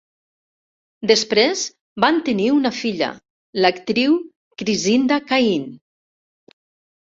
Després van tenir una filla, l'actriu Krisinda Cain.